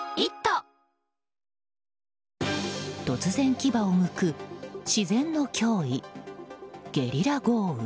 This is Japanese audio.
突然、牙をむく自然の脅威ゲリラ豪雨。